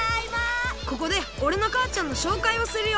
ここでおれのかあちゃんのしょうかいをするよ。